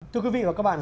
thưa quý vị và các bạn